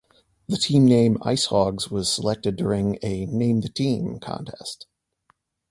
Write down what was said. The team name, IceHogs, was selected during a "name the team" contest.